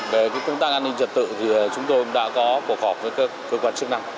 về công tác an ninh trật tự thì chúng tôi đã có cuộc họp với các cơ quan chức năng